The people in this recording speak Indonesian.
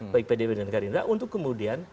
baik pdip dan gari indra untuk kemudian